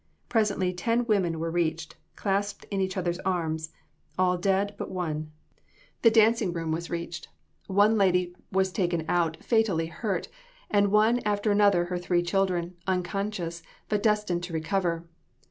Presently, ten women were reached, clasped in each others arms all dead but one. The dancing room was [Illustration: AT WORK IN THE WRECK.] reached. One lady was taken out fatally hurt, and one after another her three children, unconscious, but destined to recover.